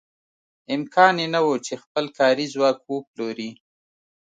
امکان یې نه و چې خپل کاري ځواک وپلوري.